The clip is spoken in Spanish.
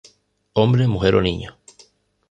Hombre, mujer o niño".